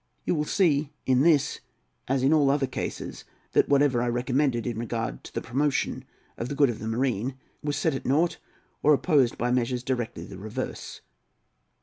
You will see in this, as in all other cases, that whatever I recommended, in regard to the promotion of the good of the marine, was set at nought, or opposed by measures directly the reverse.